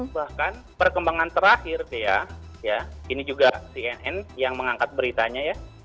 bahkan perkembangan terakhir dea ya ini juga cnn yang mengangkat beritanya ya